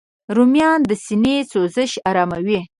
رومیان د سینې سوزش آراموي